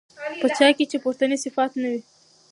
په چا كي چي پورتني صفات نه وي